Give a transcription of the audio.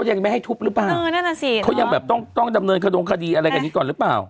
ที่ที่โดนไปถ่ายมา